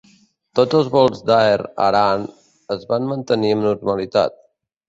Tots els vols d'Aer Arann es van mantenir amb normalitat.